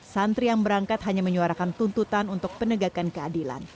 santri yang berangkat hanya menyuarakan tuntutan untuk penegakan keadilan